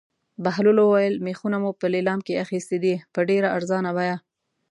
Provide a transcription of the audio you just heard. بهلول وویل: مېخونه مو په لېلام کې اخیستي دي په ډېره ارزانه بیه.